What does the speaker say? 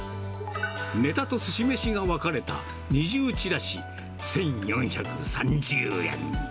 ネタとすし飯が分かれた二重ちらし１４３０円。